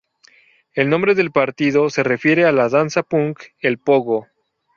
El nombre del partido se refiere a la danza punk, el pogo.